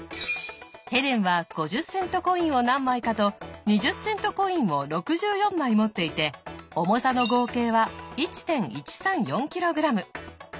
ヘレンは５０セントコインを何枚かと２０セントコインを６４枚持っていて重さの合計は１．１３４ｋｇ。